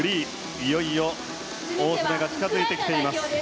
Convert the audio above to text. いよいよ大詰めが近づいてきています。